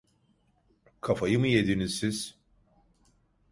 Kafayı mı yediniz siz?